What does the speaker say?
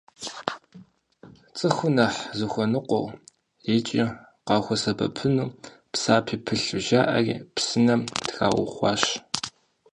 Цӏыхур нэхъ зыхуэныкъуэу икӏи къахуэсэбэпыну, псапи пылъу жаӏэри псынэм траухуащ.